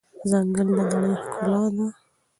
ځنګل د نړۍ ښکلا ده.